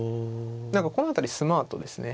何かこの辺りスマートですね。